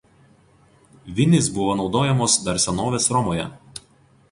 Vinys buvo naudojamos dar senovės Romoje.